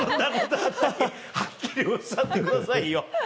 はっきりおっしゃってくださいよ！